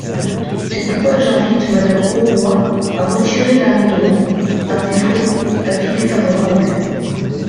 C’est pourquoi j’invite Madame Auroi à retirer l’amendement ; à défaut, avis défavorable.